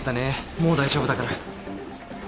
もう大丈夫だから。